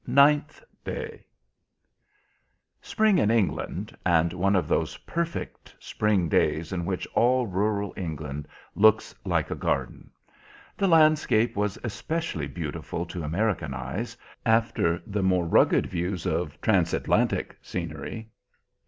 Ninth Day Spring in England—and one of those perfect spring days in which all rural England looks like a garden. The landscape was especially beautiful to American eyes, after the more rugged views of Transatlantic scenery.